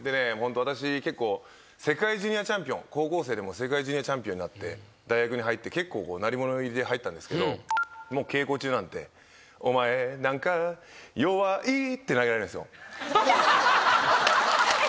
私世界ジュニアチャンピオン高校生でもう世界ジュニアチャンピオンになって大学に入って結構鳴り物入りで入ったんですけど稽古中なんて。って投げられるんですよ。